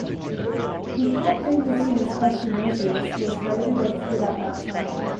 The school, previously in special measures, was rated as "Good" at that time.